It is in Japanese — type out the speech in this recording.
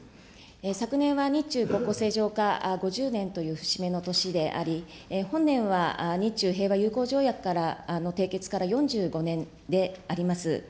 昨年は日中国交正常化５０年という節目の年であり、本年は日中平和友好条約から、締結から４５年であります。